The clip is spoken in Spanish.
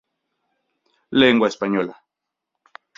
Lengua española